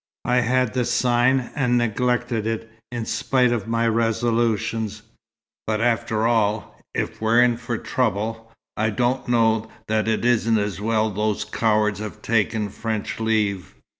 I had the sign, and neglected it, in spite of my resolutions. But after all, if we're in for trouble, I don't know that it isn't as well those cowards have taken French leave.